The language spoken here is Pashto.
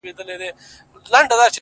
• نه پیران یې وه په یاد نه خیراتونه ,